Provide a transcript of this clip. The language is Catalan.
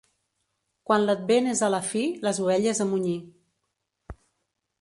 Quan l'Advent és a la fi, les ovelles a munyir.